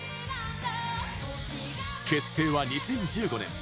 結成は２０１５年。